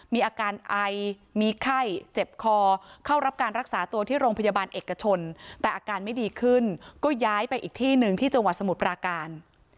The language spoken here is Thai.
มีอาการไอมีไข้เจ็บคอเข้ารับการรักษาตัวที่โรงพยาบาลเอกชนแต่อาการไม่ดีขึ้นก็ย้ายไปอีกที่หนึ่งที่จังหวัดสมุทรปราการ